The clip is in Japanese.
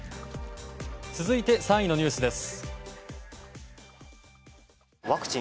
続いて３位のニュースです。